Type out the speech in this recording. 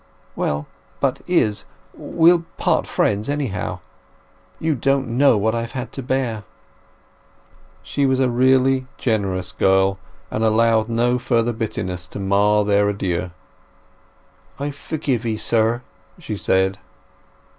"Well, but, Izz, we'll part friends, anyhow? You don't know what I've had to bear!" She was a really generous girl, and allowed no further bitterness to mar their adieux. "I forgive 'ee, sir!" she said.